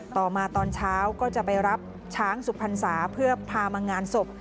ต่อมาตอนเช้าก็จะไปรับช้างสุพรรษาเพื่อพามางานศพ